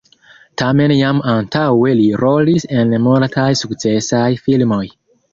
Tamen jam antaŭe li rolis en multaj sukcesaj filmoj.